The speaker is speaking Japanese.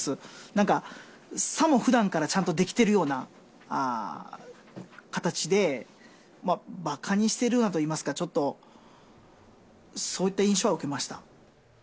なんか、さもふだんからちゃんとできてるような形で、ばかにしてるなといいますか、ちょっと、そういった印象は受けました。